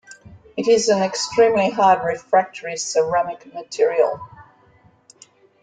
It is an extremely hard refractory ceramic material.